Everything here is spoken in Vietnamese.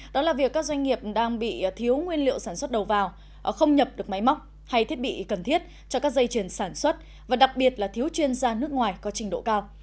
đó là việc các doanh nghiệp đang bị thiếu nguyên liệu sản xuất đầu vào không nhập được máy móc hay thiết bị cần thiết cho các dây chuyển sản xuất và đặc biệt là thiếu chuyên gia nước ngoài có trình độ cao